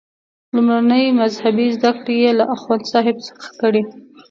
لومړنۍ مذهبي زده کړې یې له اخوندصاحب څخه کړي.